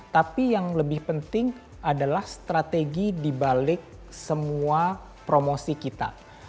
tapi yang lebih penting adalah strategi dibalik semua promosi kita